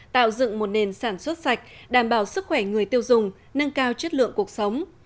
tạo dựng một nền sản xuất sạch đảm bảo sức khỏe người tiêu dùng nâng cao chất lượng cuộc sống